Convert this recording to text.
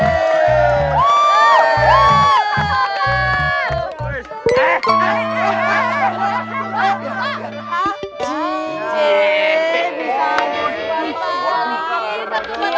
ini takut banget